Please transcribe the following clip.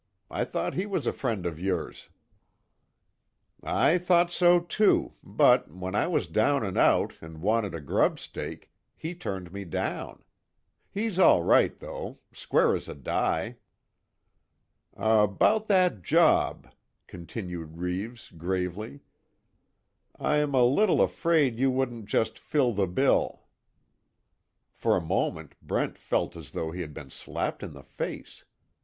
I thought he was a friend of yours." "I thought so too, but when I was down and out, and wanted a grub stake, he turned me down. He's all right though square as a die." "About that job," continued Reeves, gravely, "I'm a little afraid you wouldn't just fill the bill." For a moment Brent felt as though he had been slapped in the face.